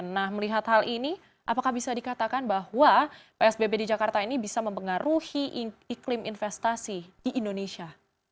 nah melihat hal ini apakah bisa dikatakan bahwa psbb di jakarta ini bisa mempengaruhi iklim investasi di indonesia